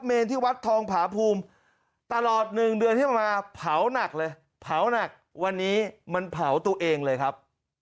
เนรที่วัดทองผาภูมิตลอด๑เดือนที่มันมาเผาหนักเลยเผาหนักวันนี้มันเผาตัวเองเลยครับ